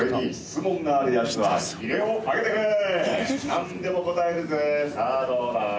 何でも答えるぜさあどうだい？